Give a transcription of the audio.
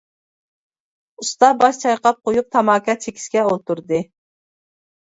ئۇستا باش چايقاپ قويۇپ، تاماكا چېكىشكە ئولتۇردى.